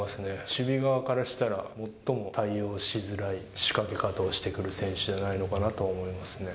守備側からしたら、最も対応しづらい仕掛け方をしてくる選手じゃないのかなと思いますね。